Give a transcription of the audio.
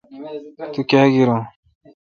تو کاں گیرون۔